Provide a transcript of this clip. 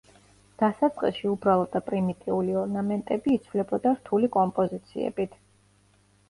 დასაწყისში უბრალო და პრიმიტიული ორნამენტები იცვლებოდა რთული კომპოზიციებით.